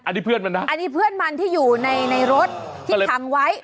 อันนี้เพื่อนมันนะอันนี้เพื่อนมันที่อยู่ในรถที่ขังไว้